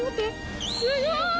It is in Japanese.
すごい！